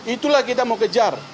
itulah kita mau kejar